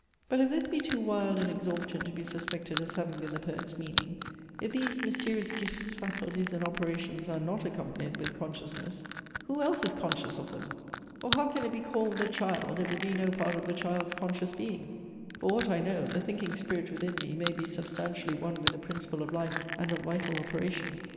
But if this be too wild and exorbitant to be suspected as having been the poet's meaning; if these mysterious gifts, faculties, and operations, are not accompanied with consciousness; who else is conscious of them? or how can it be called the child, if it be no part of the child's conscious being? For aught I know, the thinking Spirit within me may be substantially one with the principle of life, and of vital operation.